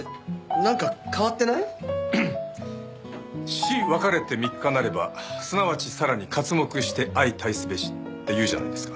「士別れて三日なれば即ち更に刮目して相待すべし」って言うじゃないですか。